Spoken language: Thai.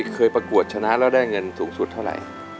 ประกวดชนะแล้วได้เงินสูงสุดเท่าไหร่